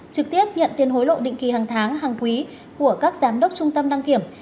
trực tiếp nhận tiền hối lộ định kỳ hàng tháng hàng quý của các giám đốc trung tâm đăng kiểm